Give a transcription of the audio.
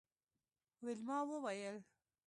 ویلما وویل